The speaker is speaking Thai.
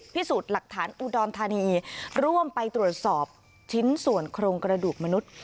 พิสูจน์หลักฐานอุดรธานีร่วมไปตรวจสอบชิ้นส่วนโครงกระดูกมนุษย์